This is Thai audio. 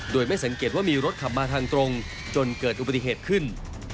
โดยไม่สังเกตว่ามีรถขับมาทางตรงจนเกิดอุบัติเหตุขึ้น